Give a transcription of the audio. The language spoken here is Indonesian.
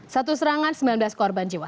satu serangan sembilan belas korban jiwa